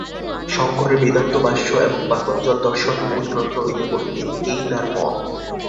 শঙ্করের বেদান্তভাষ্য এবং পাতঞ্জলদর্শন মূল গ্রন্থ হইতে পড়িবে, এই তার পণ।